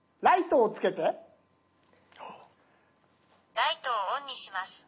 「ライトをオンにします」。